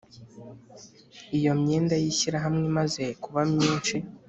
Iyo imyenda y Ishyirahamwe imaze kuba nyinshi